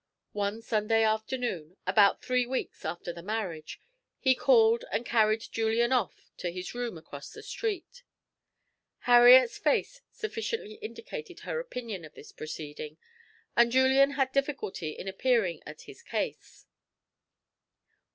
One Sunday afternoon, about three weeks after the marriage, he called and carried Julian off to his room across the street. Harriet's face sufficiently indicated her opinion of this proceeding, and Julian had difficulty in appearing at his case.